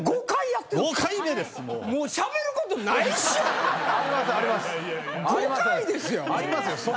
５回ですよ！？